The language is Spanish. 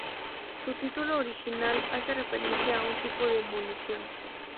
Su título original hace referencia a un tipo de munición.